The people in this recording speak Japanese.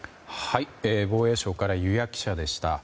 防衛省から湯屋記者でした。